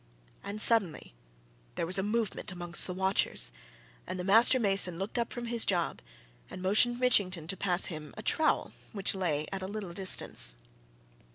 And suddenly there was a movement amongst the watchers, and the master mason looked up from his job and motioned Mitchington to pass him a trowel which lay at a little distance.